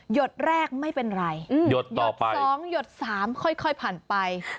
หยดแรกไม่เป็นไรหยดสองหยดสามค่อยผ่านไปหยดต่อไป